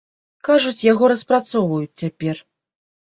Кажуць, яго распрацоўваюць цяпер.